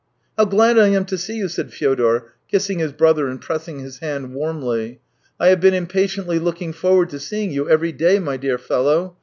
" How glad I am to see you !" said Fyodor, kissing his brother and pressing his hand warmly. " I have been impatiently looking forward to seeing you every day, my dear fellow.